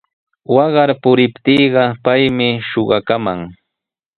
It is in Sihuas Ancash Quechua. Waqar puriptiiqa paymi shuqakaman.